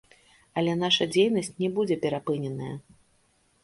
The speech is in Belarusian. Але наша дзейнасць не будзе перапыненая.